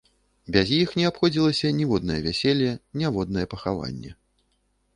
Без іх не абыходзілася ніводнае вяселле, ніводнае пахаванне.